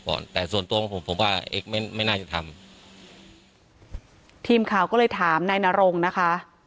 ก่อนแต่ส่วนตัวของผมผมว่าไม่น่าจะทำทีมข่าวก็เลยถามนายนรงนะคะ